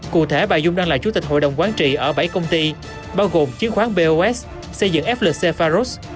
cụ thể bà dung đang là chủ tịch hội đồng quán trị ở bảy công ty bao gồm chứng khoán bos xây dựng flc faros